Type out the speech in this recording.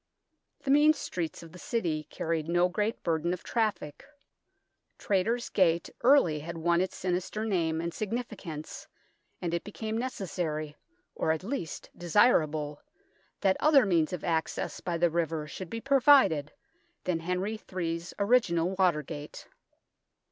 The mean streets of the City carried no great burden of traffic. Traitors' Gate early had won its sinister name and significance, and it became necessary or at least desirable that other means of access by the river should be provided than Henry Ill's original Watergate.